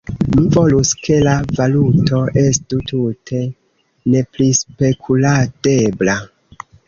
Mi volus ke la valuto estu tute neprispekuladebla.